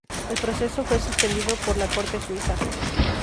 El proceso fue suspendido por la corte Suiza.